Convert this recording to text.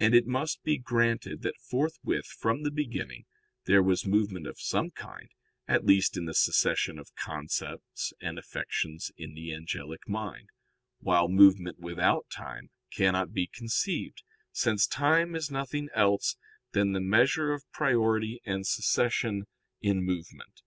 And it must be granted that forthwith from the beginning, there was movement of some kind, at least in the succession of concepts and affections in the angelic mind: while movement without time cannot be conceived, since time is nothing else than "the measure of priority and succession in movement."